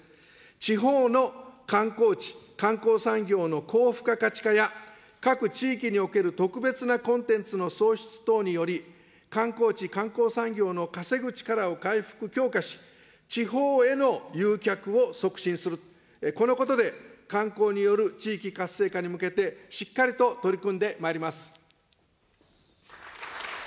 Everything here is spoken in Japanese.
地方の観光地、観光産業の高付加価値化や、各地域における特別なコンテンツの創出等により、観光地、観光産業の稼ぐ力を回復、強化し、地方への誘客を促進する、このことで観光による地域活性化に向けてしっかりと取り組んでまいります。